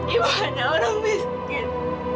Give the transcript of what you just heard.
ibu hanya orang miskin